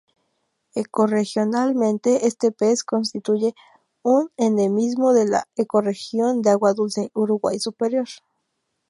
Ecorregionalmente este pez constituye un endemismo de la ecorregión de agua dulce Uruguay superior.